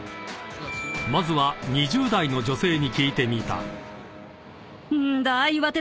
［まずは２０代の女性に聞いてみた］